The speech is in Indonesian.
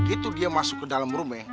itu dia masuk ke dalam rumah